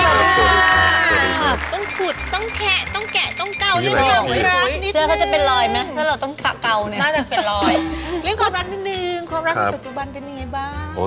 ก้าวเบื้องก้าว